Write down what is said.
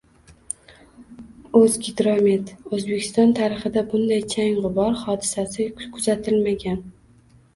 O‘zgidromet: O‘zbekiston tarixida bunday chang-g‘ubor hodisasi kuzatilmagan